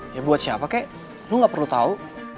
ya buat siapa kek lu gak perlu tahu